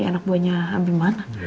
anak buahnya abimana